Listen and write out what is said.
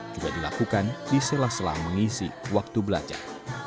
juga dilakukan di sela sela mengisi waktu belajar